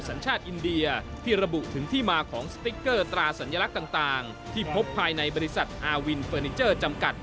สัญชาติอินเดียที่ระบุถึงที่มาของสติ๊กเกอร์ตราสัญลักษณ์ต่างที่พบภายในบริษัทอาวินเฟอร์นิเจอร์จำกัด